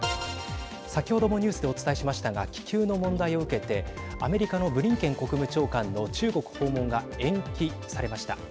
先ほどもニュースでお伝えしましたが気球の問題を受けてアメリカのブリンケン国務長官の中国訪問が延期されました。